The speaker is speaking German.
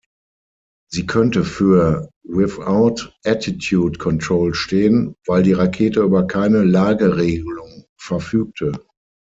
Sie könnte für „Without Attitude Control“ stehen, weil die Rakete über keine Lageregelung verfügte.